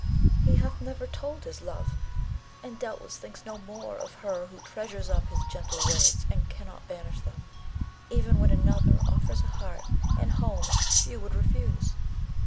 He hath never told his love, and doubtless thinks no more of her who treasures up his gentle words, and cannot banish them, even when another offers a heart and home few would refuse.